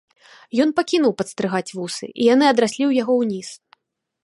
Ён пакінуў падстрыгаць вусы, і яны адраслі ў яго ўніз.